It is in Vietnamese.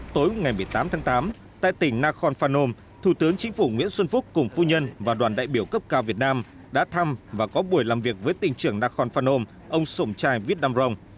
tối ngày một mươi tám tháng tám tại tỉnh nakhon phanom thủ tướng chính phủ nguyễn xuân phúc cùng phu nhân và đoàn đại biểu cấp cao việt nam đã thăm và có buổi làm việc với tỉnh trưởng nakhon phanom ông sổng chai viết đam rông